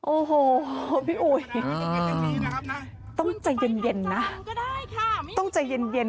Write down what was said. โอ้โหพี่อุ๋ยต้องใจเย็นนะต้องใจเย็น